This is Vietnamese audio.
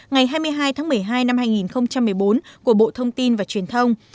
ngày hai mươi hai tháng một mươi hai năm hai nghìn một mươi bốn của bộ thông tin và truyền thông